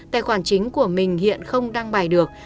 tài khoản chính của mình hiện không đăng bài được